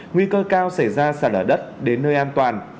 nguy cơ cao xảy ra sạt lở đất đến nơi an toàn